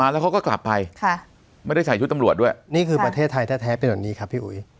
แล้วเขาก็กลับไปไม่ได้ใส่ชุดตำรวจด้วยนี่คือประเทศไทยแท้เป็นแบบนี้ครับพี่อุ๋ย